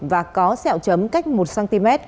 và có xẹo chấm cách một cm